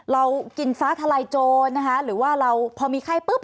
เรากินฟ้าทะไรโจนนะคะหรือว่าเราพอมีค่ายปึ๊บ